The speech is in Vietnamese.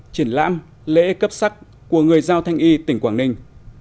triển lãm lễ cấp sắc của người giao thanh y tỉnh quảng ninh